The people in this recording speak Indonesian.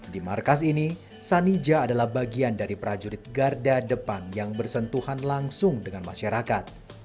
di markas ini sanija adalah bagian dari prajurit garda depan yang bersentuhan langsung dengan masyarakat